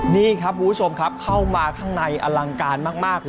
นี่ครับคุณผู้ชมครับเข้ามาข้างในอลังการมาก